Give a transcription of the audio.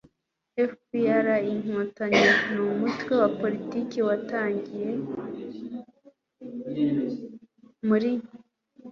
fpr-inkotanyi ni umutwe wa politiki watangiye muri